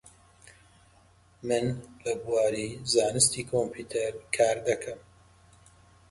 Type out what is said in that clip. The sheepshead, scup, and red seabream are species in this family.